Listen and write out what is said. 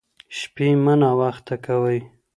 شپې مه ناوخته کوئ.